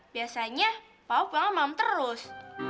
biasanya pau pulang malam terus